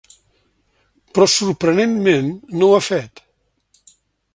Però sorprenentment no ho ha fet.